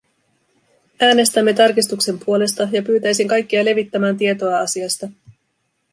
Äänestämme tarkistuksen puolesta, ja pyytäisin kaikkia levittämään tietoa asiasta.